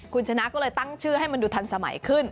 คุณชนะก็เลยตั้งชื่อให้มันดูทันสมัยขึ้น